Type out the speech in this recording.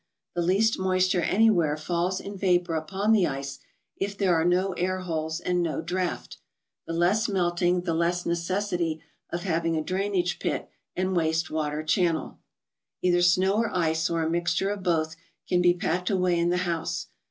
The least moisture anywhere falls in vapor upon the ice, if there are no air holes and no draft. The less melting, the less ne¬ cessity of having a drainage pit and waste water channel. Either snow or ice, or a mixture of both, can be packed away in the house.